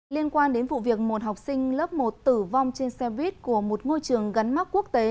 liên quan đến vụ việc một học sinh lớp một tử vong trên xe buýt của một ngôi trường gắn mắt quốc tế